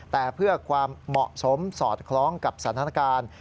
แต่เพื่อความเหมาะสมสอดคล้องกับสถานการณ์